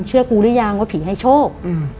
กูหรือยังว่าผีให้โชค